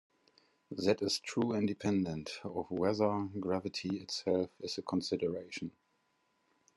That is true independent of whether gravity itself is a consideration.